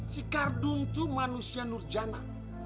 si kak dun tuh manusia nurjana